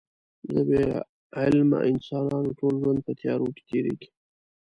د بې علمه انسانانو ټول ژوند په تیارو کې تېرېږي.